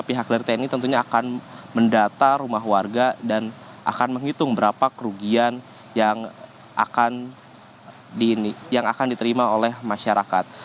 pihak dari tni tentunya akan mendata rumah warga dan akan menghitung berapa kerugian yang akan diterima oleh masyarakat